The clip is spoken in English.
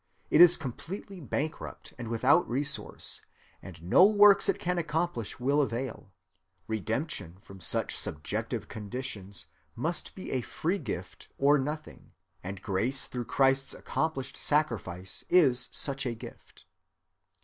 It is completely bankrupt and without resource, and no works it can accomplish will avail. Redemption from such subjective conditions must be a free gift or nothing, and grace through Christ's accomplished sacrifice is such a gift.